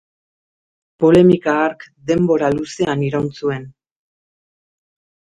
Polemika ark denbora luzean iraun zuen.